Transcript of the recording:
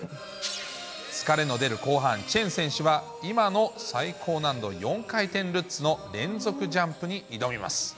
疲れの出る後半、チェン選手は今の最高難度４回転ルッツの連続ジャンプに挑みます。